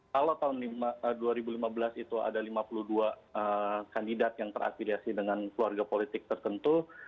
kalau tahun dua ribu lima belas itu ada lima puluh dua kandidat yang terafiliasi dengan keluarga politik tertentu